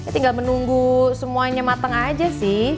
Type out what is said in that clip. tinggal menunggu semuanya matang aja sih